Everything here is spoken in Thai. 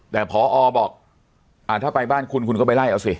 แต่พอบอกถ้าไปบ้านคุณคุณก็ไปไล่เอาสิ